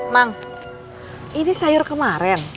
mang ini sayur kemarin